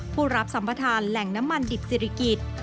ผู้รับสัมประธานแหล่งน้ำมันดิบศิริกิจ